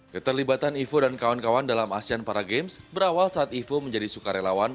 keterlibatan ivo dan kawan kawan dalam asean para games berawal saat ivo menjadi sukarelawan